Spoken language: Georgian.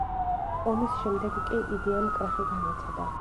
ომის შემდეგ კი იდეამ კრახი განიცადა.